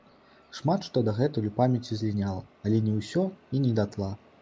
Шмат што дагэтуль у памяці зліняла, але не ўсё і не датла.